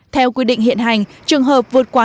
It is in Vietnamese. theo quy định hiện hành trường hợp vượt quá